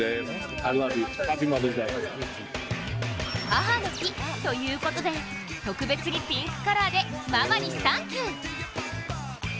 母の日ということで、特別にピンクカラーでママにサンキュー。